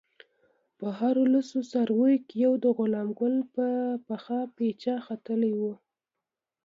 د هرو لسو څارویو کې یو د غلام ګل په پخه پچه ختلی وو.